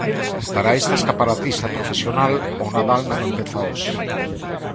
Para esta escaparatista profesional, o Nadal non empeza hoxe.